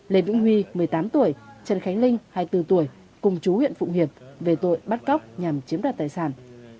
lê vĩnh huy một mươi tám tuổi trần khánh linh hai tuổi cùng chú huyện phụng hiệp về tội bắt cóc nhằm chiếm đoạt tài sản